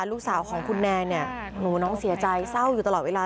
ลูกสาวของคุณแนนเนี่ยหนูน้องเสียใจเศร้าอยู่ตลอดเวลา